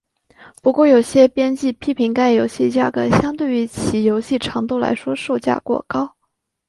不过有些编辑批评该游戏价格相对于其游戏长度来说售价过高。